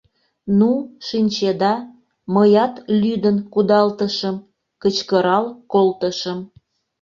Ну, шинчеда, мыят лӱдын кудалтышым, кычкырал колтышым.